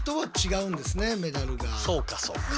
そうかそうか。